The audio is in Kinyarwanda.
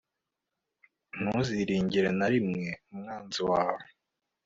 ntuziringire na rimwe umwanzi wawe